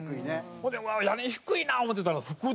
ほんで屋根低いな思うてたら福田